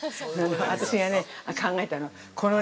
私がね、考えたの。